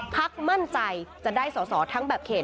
พักมั่นใจจะได้สอสอทั้งแบบเขต